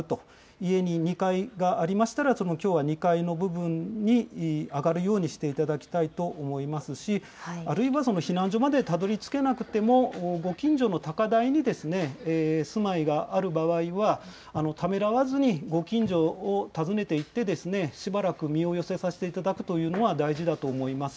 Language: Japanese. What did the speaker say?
家に２階がありましたら、きょうは２階の部分に上がるようにしていただきたいと思いますし、あるいはその避難所までたどりつけなくても、ご近所の高台に住まいがある場合は、ためらわずにご近所を訪ねていってですね、しばらく身を寄せさせていただくというのは大事だと思います。